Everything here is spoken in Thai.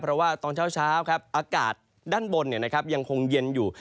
เพราะว่าตอนเช้าครับอากาศด้านบนยังคงเย็นอยู่